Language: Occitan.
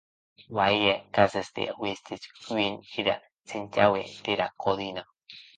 Qu’auie cases d’aguestes qu’en eres s’entraue pera codina.